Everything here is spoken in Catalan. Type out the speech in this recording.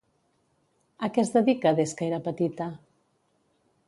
A què es dedica des que era petita?